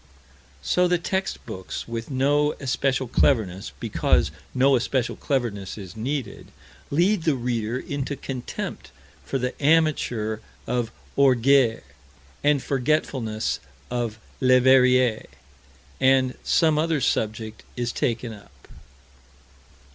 So the text books, with no especial cleverness, because no especial cleverness is needed, lead the reader into contempt for the amateur of Orgères, and forgetfulness of Leverrier and some other subject is taken up.